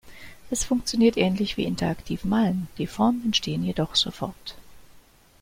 Es funktioniert ähnlich wie Interaktiv malen, die Formen entstehen jedoch sofort.